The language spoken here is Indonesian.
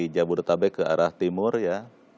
jabodetabek ke arah timur ya